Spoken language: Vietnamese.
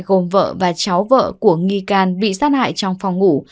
gồm vợ và cháu vợ của nghi can bị sát hại trong phòng ngủ